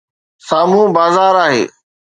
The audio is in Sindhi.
سامهون بازار آهي.